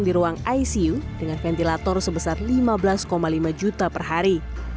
di ruang icu dengan ventilator sebesar lima belas lima juta per hari